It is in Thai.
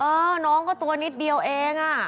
เออน้องก็ตัวนิดเดียวเองอ่ะ